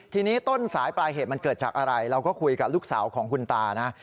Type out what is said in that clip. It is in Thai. ทีนี้ต้นสายปลายเหตุมันเกิดจากอะไรเราก็คุยกับลูกสาวของคุณตานะ